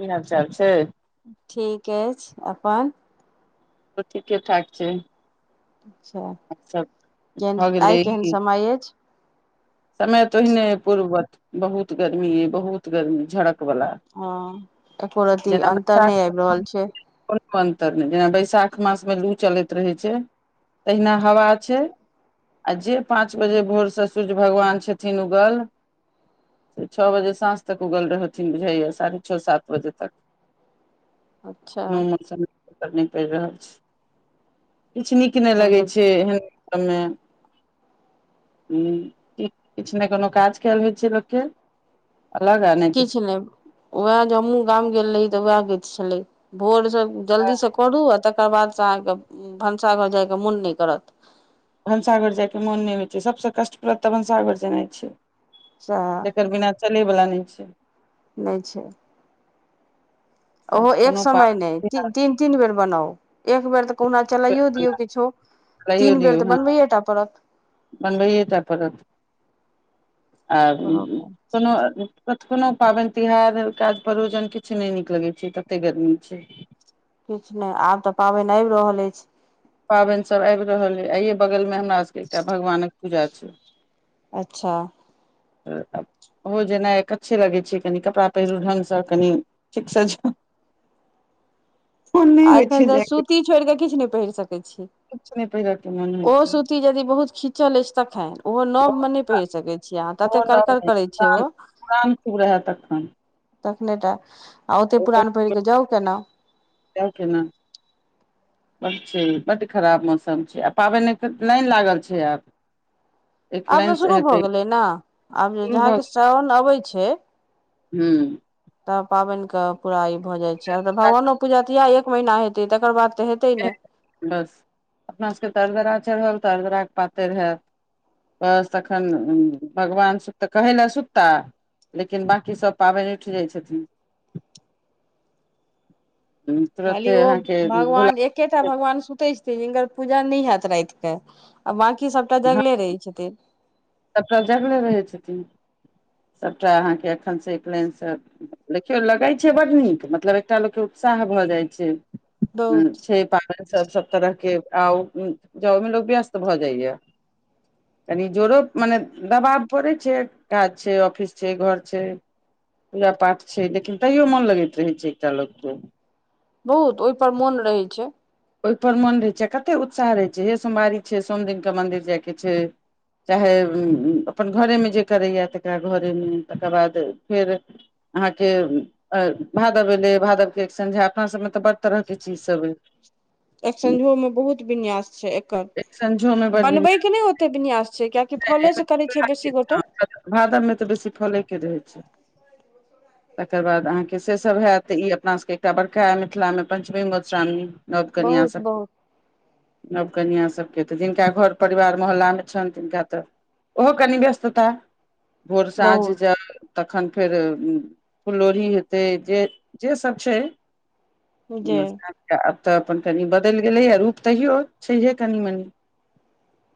की हाल चाल छैय? ठीक अछि अपन? ठीके ठाक छैय। अच्छा केहन भऽ आइ गेलै केहन ई समय अछि? समय तऽ ओहिने पूर्वज बहुत गर्मी ह बहुत गर्मी झड़क वाला। हँ एको रति अन्तर नहि आबि रहल छैय। कोनो अन्तर नहि जेना बैशाख मासमे लू चलैत रहै छैय। तहिना हवा छैय आ जे पाँच बजे भोर से स भगवान छथिन उगल। से छः बजे साँझ तक उगल रहथिन बुझाइया साढ़े छः सात बजे तक। अच्छा [unintelligible] मौसम नहि पड़ि रहल छैय किछु नीक कि नहि तहन लगै तऽ छैय [unintelligible] किछु नहि कोनो काज कैल होइ छैय लोकके अलग आ नय किछ नहि उएह जे हमहूं गाम गेल रही तऽ वएह ग छलै भोर सब जल्दीसँ करू आ तकर बादसँ अहाँके भनसा घर जायके मोन नहि करत। भनसाघर जायके मोन नहि होइ छैय सभसँ कष्टप्रद तऽ भनसाागघर जेनाइ छैय। सएह जकर बिना चलय वला नहि छैय। नहि छैय। ओहो एक कोनो समय पाबनि नहि तिहार तीन तीन बेर बनाउ एक बेर तऽ कहुना चलाइयो दियौ किछो तीन बेर तऽ बनबैए टा पड़त। बनबैटा परत। आ कोनो कोनो क कोनो पाबनि तिहार काज परोजन किछु नहि नीक लगैत छैय ततेक गर्मी छैय। किछु नहि आब तऽ पाबनि आबि रहल अछि। पाबनि सब आबि रहल यइ आइये बगलमे हमरा सबके एकटा भगवानक पूजा छैय। अच्छा [unintelligible] ओहो जेनाइ अच्छे लगै छैय कनि कपड़ा पहिरू ढंगसँ कनि ठीकसँ जाऊ। [inaudible] आ होइ छै एखन तऽ जायके सूती छोड़ि कऽ किछु नहि पहिर सकै छी। किछु नहि पहिरके मोन होइ ओहो छै सूती जदि बहुत खिच चल अछि तखन ओहो नवमे नहि पहिर सकैत छीयै अहाँ तते ककरड़ करै छियै ओ। काम खुब रहै तखन। तखने टा आ ओते पुरान पहिर कऽ जाउ केना। जाव केना? बड छैय बड खराब मौसम छैय आ पाबनि नहि लागल छैय आब। एक आब लाइन तऽ से शुरू भऽ हेतै गेलै ने आब जे शुरू जहाके सावन अबै छैय हूँ तब पाबनिके पूरा ई भऽ जाय छै आब तऽ भगवानो पूजा तऽ इएह एक महीना हेतै तकर बाद तऽ हेतै तै नहि बस अपना सबके तऽ अरदरा चढ़ल तऽ अरदराके पातरि हेत बस तखन भगवान सु तऽ कहै ल सुता लेकिन बाँकी सब पाबनि उठि जाय छथिन खाली तुरते ओ अहाँके भुला भगवान एकेटा भगवान सुतै जिनकर पूजा नहि हेयत राति के आ बंकी सबटा जगले रहै छथिन सभटा जागले रहै छथिन सभटा अहाँके एखन से एक लाइनसँ देखियौ लगै छै बड नीक मतलब एकटा लोकके उत्साह भऽ जाय छै बहुत छै पाबनि सब सभ तरहके आ जै मे लोक व्यस्त भऽ जाइय आ जोरोप मने दबाब पड़ै छै काज छै ऑफिस छै घर छै पूजा पाठ छै लेकिन तैयो मोन लगैत रहै छै एकटा लोकके बहुत ओहिपर मोन रहैत छै ओहिपर मोन रहै छै कतेक उत्साह रहैत छै हे सोमवारी छै सोम दिनके मन्दिर जायके छै चाहे अपन घरेमे जे करैए तकरा घरेमे तकर बाद फेर अहाँके भादव एले भादव के एक संझा अपना सबमे तऽ बड़ तरह के चीज सब होय छै एक संझो मे बहुत विन्यास छै एकर एक संझोमे बड बनबै बिनियान, के नहि हो कते विन्यास छै कियाकि फले से करै छै बेसी गोटे भादबमे तऽ बेसी फलेके रहै छै तकर बाद अहाँके सेसभ हएैत ई अपनासभके एकटा बड़काए मिथिलामे पञ्चमी मधुश्रावणी नब कनीया बहुत सब बहुत नव कनिया सभके तऽ जिनका घर परिवार मोहल्ला में छनि तिनका ओहो कनि ब्यस्तता भोर साझं बहुत जाउ तखन फेर फुल्लोढ़ी हेतै जे जे सब छै जे उन आब त आब तऽ अपन कनि बदलि गेलैए रूप तैयो छैहे कनि मनि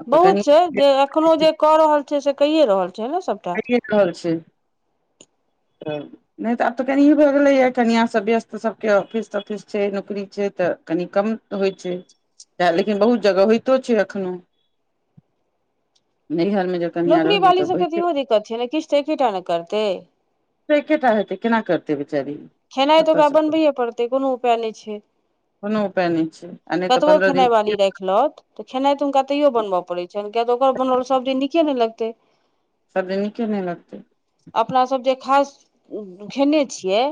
आब तऽ कनि बहुत छै जे एखनो जे भइए कऽ रहल छै से कैे रहल छै ने सब रहल छै तऽ नहि तऽ आब तऽ कनि ई भऽ गेलैए कनिआ सबके व्यस्त सभके ऑफिस तफिस छै नौकरी छै तऽ कनि कम होय छै इए लेकिन बहुत जगह होइतो छै एखनो नैहर मे जब नौकरी वाली सबके तऽ इहो दिक्कत छै ने किछ तऽ एकेटा न करतै से एके टा हेतै केना करतै बेचारी खेनाय तऽ ओकरा कतयसँ बनबैए पड़तै कोनो उपाय नै छै कोनो उपाय नहि छै आ नहि तऽ कतबो पन्द्रह दिन खेनाय वाली राखिलौत तऽ खेनाय त हुनका तैयो बनब पड़ै छनि किया तऽ ओकर बनल सब दिन नीके नहि लगतै सब दिन निके नहि लगतै अपनासभ जे खास खेने छियै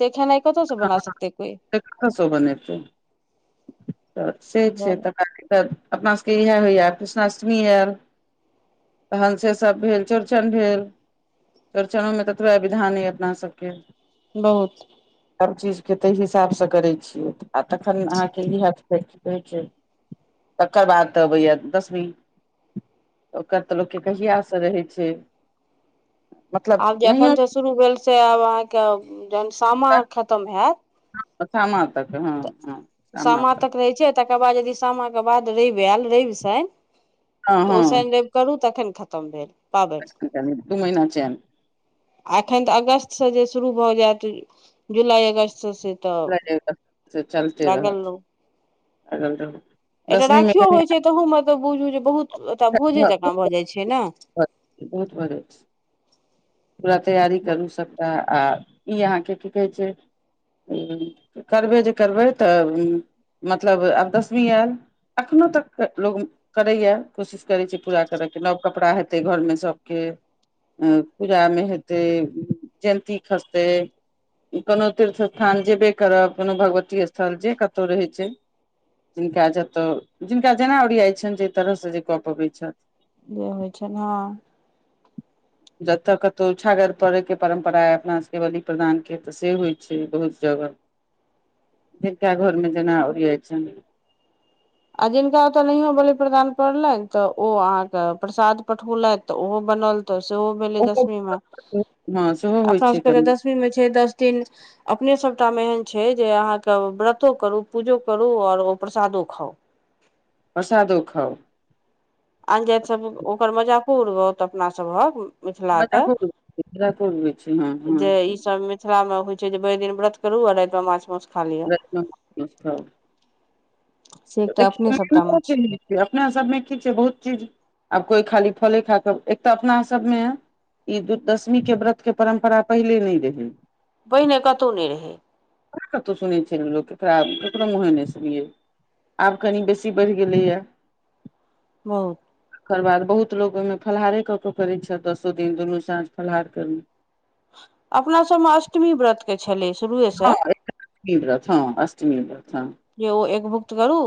से खेनाय कतयसँ बना सकतै कोय से कत स बनेतै तऽ से ताहि छै दुआरे तऽ तऽ अपना सभके इएह होइए कृष्णाष्टमी आओर तहन से सब भेल चौड़चन भेल चौड़चनोमे तऽ एतबे विधान अय अपना सबके बहुत हर चीजके तै हिसाबसँ करै छियै आ तखन अहाँ ह तकर बाद अबैय दसवी ओकर तऽ लोकके कहियास से रहै छै मतलब आब जे नहियो एखन जे शुरू भेल से आब अहाँके जहन सामा खतम हेत सामा तक हँ हँ सामा तक तकर बाद यदि सामा के बाद रैव आयल रैव शनि हँ तऽ ओ हँ शनि करू तखन खत्म भेल पाबनि दू महिना चैन आ एखेन तऽ अगस्त से जे शुरू भऽ जायत जुलाई अगस्त स से तऽ ले जेबे त चलते लागल रहत रहू गल रहू [unintelligible] एकटा मे राखियो कनि होइ छै तहू मे त बुझू जे बहुत ओत भोजे हाँ, जकाँ भऽ जाइ छै ने बहुत बढ़े पूरा तैयारी करू सकता आ ई अहाँके की कहै छै करबै जे करबै तऽ उम् मतलब आब दसमी आयल अखनो तक लोग [unintelligible] करैए कोशिश करै छै पूरा करयके नव कपड़ा हेतै घरमे सभके पूजा मे हेते जयन्ती खसते कोनो तीर्थ स्थान जेबे करब कोनो भगवती स्थल जे कतहु रहै छै जिनका जतय जिनका जेना ओरियाइ छनि जे तरहसँ जे कऽ पबैत छथि जे होइ छै हँ जतऽ कतौ छागर पड़ैके परम्परा अइ अपना सबके बलि प्रदानके तऽ से होइ छै बहुत जगह एकटा घरमे जेना ओड़ियाइ छन आ जिनका ओतय नहियो बलि प्रदान पड़लैनि तऽ ओ अहाँके प्रसाद पठबौलथि तऽ ओहो बनल तऽ सेहो भेलै दसमी मे हँ सेहो होइ अपना छै सबके तऽ कनि दसमी मे छै दस दिन अपने सभटामे एहन छै जे अहाँके व्रतो करू पूजो करू आओर ओ प्रसादो खाउ प्रसादो खाउ आनजैत सभ ओकर मजाको उड़ गत अपनासभक मिथिला के मजाको मजाको होइ छै हँ जे हँ ई सब मे मिथिला मे होइ छै जे भरि दिन व्रत करू आ रातिमे माछ माउस खा लिअ [unintelligible] [unintelligible] से तब एकटा अपने देखियौ सभटामे छै [unintelligible] [unintelligible] अपना सभमे की छै बहुत चीज आब कोइ खाली फले खा कऽ एक तऽ अपना सभमे ह ई दू दशमी के व्रत के परम्परा पहिले नहि रहै पहिने कतहु नहि रहै कतहु सुनै छै केक केकरो मुहे ने सुनियै [unintelligible] [unintelligible] आब कनि बेसी बढ़ि गेलैए बहुत ओकर बाद बहुत लोको ओहिमे फलाहारे कऽ क करैत छथि दसो दिन दुनू साँझ फलाहार करने अपना सभमे अष्टमी व्रतके छलै शुरुएसँ हँ अष्टमी व्रत हँ अष्टमी व्रत हँ जे ओ एकभुक्त करू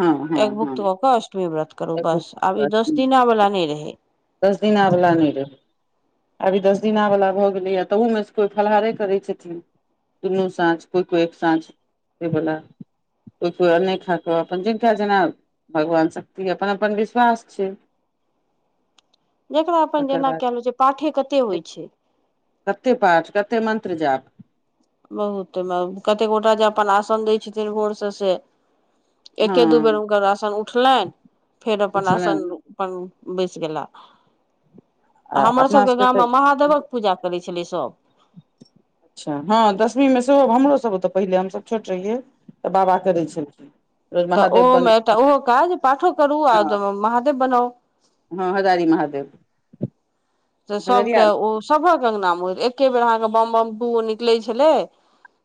हँ हँ हँ एकभुक्त क कऽ अष्टमी व्रत [unintelligible] करू बस आब ई दस दिनावला नहि रहै दस दिना बला नहि रहै आब दस दिनावला भऽ गेलैएा तहुमे स कोइ फलहारे करै छथिन दुनू साँझ कोइ को एक साँझ से बोला [unintelligible] [unintelligible] ओ नहि खा कऽ अपन जिनका जेना [unintelligible] [unintelligible] भगवान शक्ति अपन अपन विश्वास छै जेकरा अपन तकर जेना बाद कैल होछै पाठे कतेक होइत छै कते पाठ कते मंत्र जाप बहुतमे कतेक गोटा जे अपन आसन दैत छथिन भोरसँ से एके दू बेर हँ हुनकर आशन उठलनि फेर अपन आसन बुझलनि अपन बैस गेला आ हमर अपना सबके गाममे तऽ महादेवक पूजा करै छलै सब च्छा हँ दसमीमे सेहो हमरोसभ तऽ पहिले हमसभ छोट रहियै तऽ बाबा करै छलखिन रोज तऽ महादेव बने ओहोमेटा ओहो काज पाठो करू हँ आ महादेव बनाउ हँ, हजारी महादेव। तऽ सभके हजरिया ओ सभक अङ्गनामे एके बेर अहाँके बम-बम दू निकलै छलै।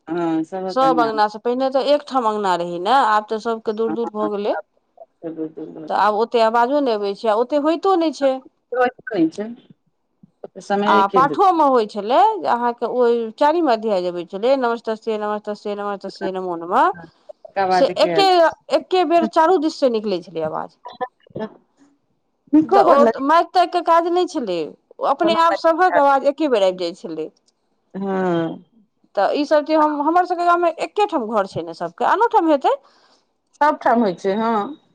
हँ सभक सभ अंगना अङ्गनासँ पहिने तऽ एकठाम अङ्गना रहै ने, आब। तऽ सभके दूर-दूर भऽ गेलै, आब ओते आवाजो नहि अबै छै, ओते होइ। कतो नहि छै। रहे काखन छै आ समय के देतै पाठमे होइत छलै जे अहाँके ओहि चारि मध्यय अबै छलै नमस्तस्यै नमस्तस्यै। तसे नमः, तसे नमो, नमः। तकर से बाद के आयल एके बेर चारू दिससँ निकलै छलै आवाज। तऽ नीको बड ओ लगै म [unintelligible] ओतऽ कोनो काज नहि छलै, ओ छै कोनो अपने-आप सभक आवाज एके बेर आबि जाइ छलै। हँ तऽ ई सभ चीज हमरा सभके गाममे एके ठाम घर छै ने, सभके आन ठाम हेतै। सभठाम होइ छै, हँ,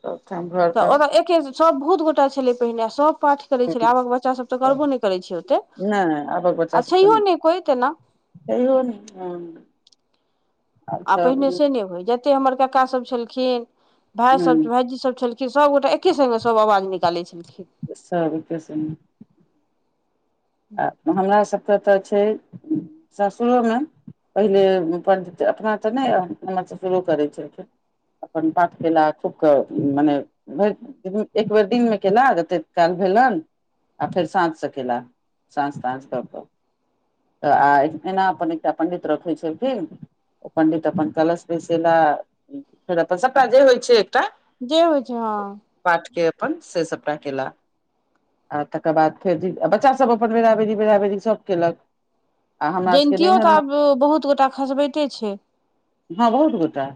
सभठाम घर तऽ। सभ बहुत गोटा छलाह पहिने, सभ पाठ करै छलै, आबक बच्चा सभ तऽ करबो नहि करै छै ओते नहि, आबक बच्चा आ तऽ छैहो नहि। कोइ तेना कहियो होइ ने, हँ। आब आ पहिने तऽ से ने होइ, जते हमर काका सभ छलखिन, भाय सभ, ह भायजी सभ छलखिन। सभ गोटा एके सङ्गे सभ आवाज निकालै छलखिन। स्वागत नहि। आ हमरासभके तऽ छै। ससुरोमे पहिले अपन तऽ नहि, हमर ससुरो करै छलखिन। अपन पाठक कला खूब मोन पड़ै। री, एक बेर दिनमे केल, जते काल भेल ने, आ फेर साँझसँ केल। साँस-ताँस कऽ कऽ तऽ, आ एना अपन एकटा पण्डित रखैत छै फेर। ओ पण्डित अपन कलश बैसौलथि, फेर अपन सभटा जे होइ छै, एकटा। जे होइ छै, हँ। पाठके अपनसँ सभटा केल आ तकर बाद फेर बच्चासभ अपन। अपन बेरा-बेरी बराबरी सभ केलक। आ हमरा सभके जयन्तियो नैहर तऽ मे आब बहुत गोटे करबे छै। हँ बहुत गोदा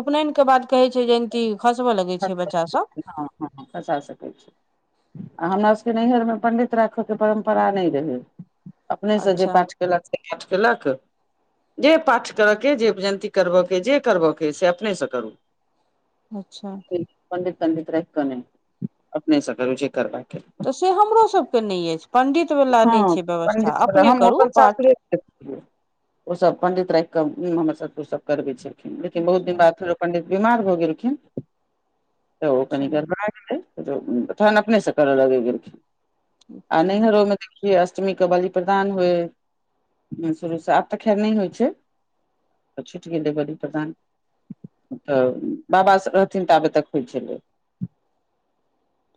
उपनयनके बाद कहै छै जे खसबय लगैत खसा छै बच्चा सभ। सकैत छै, हँ, हँ फसा सक छै। आ हमरासभके नैहरमे पण्डित रखबाक परम्परा नहि रहै। अपनेसँ जे अच्छा पाठ केलक, से पाठ केलक। जे पाठ करयके, जे विजयन्ती करबयके अछि, जे करबयके अछि, से अपनेसँ करू। अच्छा। पण्डित राखि कऽ ने, अपनेसँ करू जे करबाक अछि। तऽ से हमरासभके नहि अछि, पण्डितवला नहि हँ छै व्यवस्था, पंडित वला अपने हम करू अपन पाठ। ओ सभ पण्डित राखि कऽ ओ सभ करबै छलखिन, लेकिन बहुत दिन अच्छा बाद। पण्डित बीमार भऽ गेलखिन। तऽ ओ कनि अच्छा गड़बड़ा गेलै, तखन अपनेसँ करऽ लगै। आ अच्छा नहिनो मे जे अष्टमीके बलि प्रदान होइ, शुरूसँ आब तऽ खैर नहि होइ छै। छूटि गेलै, बलि प्रदान तऽ बाबा रहथिन ताबे। देखइ छेले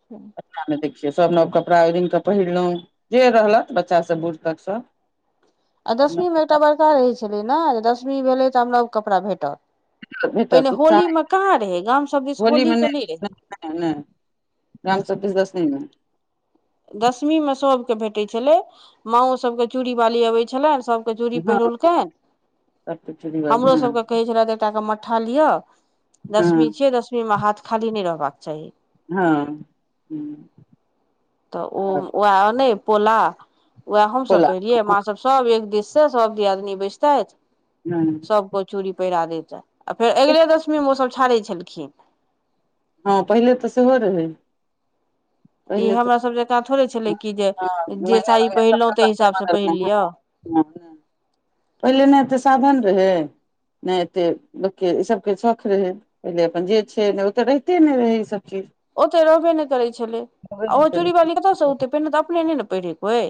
[inaudible] मे देखियै, सभ नव कपड़ा ओढ़ि-पहिरने रहैत, बच्चासँ बूढ़ धरि सभ। आ दशमीमे एकटा बड़का रहै छलै ने, जे दशमी भेलै तऽ हमरा ओ कपड़ा भेटत। भेटत पहिने उत्साह होलीमे कहाँ रहै, गाम सभ दिस होली तऽ नहि रहै। [unintelligible] दशमीमे सभके भेटैत छलै माओ सभके चूड़ी बाली अबै छलनि सभ चूरी हँ पहिरौलकै सबके चूड़ी हमरो बाली हँ सबके कहै टा के मट्ठा लिअ हँ दसमी छियै दसमी में हाथ खाली नहि रहबाक चाही हँ ह तऽ ओ ओ आनै पोला उएह हमसभ कोला पहिड़ियै माँसभ सभ एक दिससँ सभ दियादनी बैसतथि हँ सभके चूड़ी पहिरा दैत आ फेर अगिले दशमीमे ओसभ छाड़ै छलखिन हँ पहिले तऽ सेहो रहै ई पहिले तऽ हमरा सब जकाँ थोड़े छले कि जे हँ जे महिने साड़ी पहिरलो तेहि हिसाब से पहिर लियौ ह पहिले नहि तऽ साधन रहै नहि एते ई सबके शख रहै पहिले अपन जे छै ने ओ तऽ रहिते ने रहै ई सब चीज ओते रहबे नहि करै छलै होबे आ नहि ओ करै चूड़ीवाली कतयसँ ओतै पहिने तऽ अपने नहि न पहिरै कोय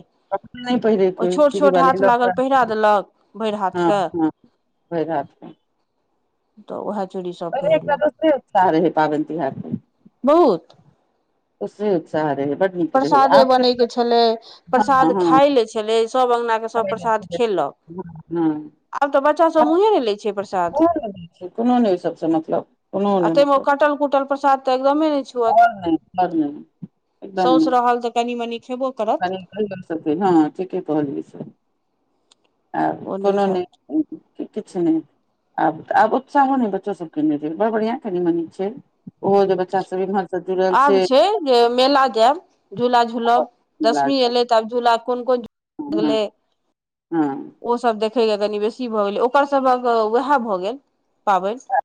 नहि पहिरै कोय चुड़ीबाली लागल हँ पहिरा देलक भरि हाथके हँ भरि हाथ क तऽ उएह चुड़ी सब पहिेले एकटा दोसरे उत्साह रहै पाबनि तिहार मे बहुत दोसरे उत्साह रहै नीक रहै प्रसादे आब बनेय के छले प्रसाद खाय ले छले सब अगंना ह हँ आब तऽ बच्चासभ मुँहे नहि लै छै प्रसाद कोनो नहि ओ सभसँ मतलब कोनो आ नहि ताहिमे मतलब कटल कुटल प्रसाद तऽ एकदमे नहि छुअत कर सौस रहल तऽ कनि मनी खेबो करत कहि छथिन हँ ठीके कहलियै सब आ ओ नहि कोनो खायत नहि किछु नहि आब आब उत्साहो नहि बच्चो सबकेने छै बड़ बढ़िआं कनि मनी छै ओहो जे सब एम्हर आब छै जे मेला जायब झूला झूलब दशमी हँ एयलै तऽ आब झूला कोन कोन हँ लागलै हँ ओसभ देखैके कनि बेसी भऽ गेलै ओकरसभक उएह भऽ गेल पाबनि